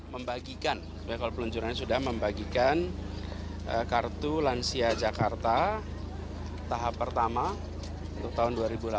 membagikan kalau peluncurannya sudah membagikan kartu lansia jakarta tahap pertama untuk tahun dua ribu delapan belas